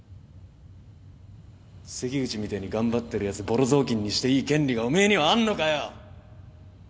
関口みてえに頑張ってるやつボロ雑巾にしていい権利がおめえにはあんのかよ？